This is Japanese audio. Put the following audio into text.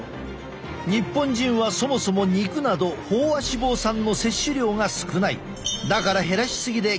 日本人はそもそも肉など飽和脂肪酸の摂取量が少ない。